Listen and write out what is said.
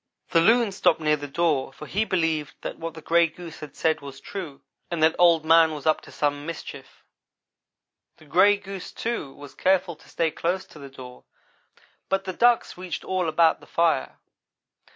The loon stopped near the door, for he believed that what the gray goose had said was true, and that Old man was up to some mischief. The gray goose, too, was careful to stay close to the door but the ducks reached all about the fire.